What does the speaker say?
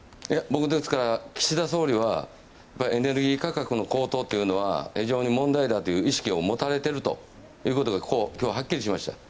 僕は岸田総理はエネルギー価格の高騰というのは非常に問題だという意識を持たれているということが今日はっきりしました。